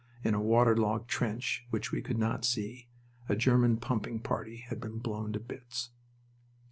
In a waterlogged trench, which we could not see, a German pumping party had been blown to bits.